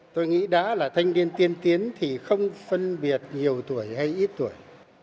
tôi nghĩ đã là thanh niên tiên tiến thì không phân biệt nhiều tuổi hay ít tuổi